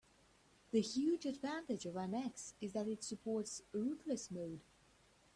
The huge advantage of NX is that it supports "rootless" mode.